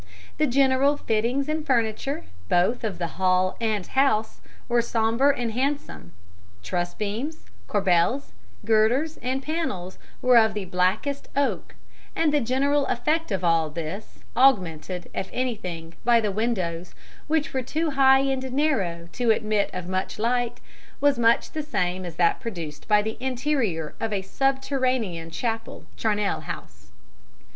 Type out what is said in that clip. The general fittings and furniture, both of the hall and house, were sombre and handsome truss beams, corbels, girders and panels were of the blackest oak; and the general effect of all this, augmented, if anything, by the windows, which were too high and narrow to admit of much light, was much the same as that produced by the interior of a subterranean chapel or charnel house.